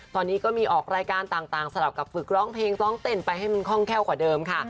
ตอนนี้ก็มีออกรายการต่างสลับกับฝึกร้องเพลงร้องเต้นไปให้มันคล่องแค่วกว่าเดิมค่ะ